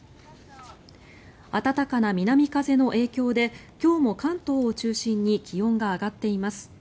暖かな南風の影響で今日も関東を中心に気温が上がっています。